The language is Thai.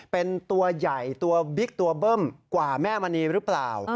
เป็นตัวใหญ่ตัวบิ๊กตัวเบิ้มกว่าแม่มณีหรือเปล่า